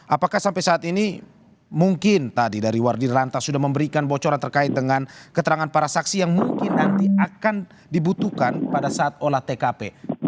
apakah sampai saat ini mungkin tadi dari wardi ranta sudah memberikan bocoran terkait dengan keterangan para saksi yang mungkin nanti akan dibutuhkan pada saat olah tkp